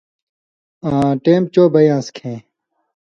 آں ٹېم چو بئ یان٘س کھیں